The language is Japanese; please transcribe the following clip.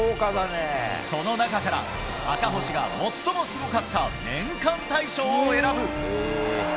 その中から、赤星が最もすごかった年間大賞を選ぶ。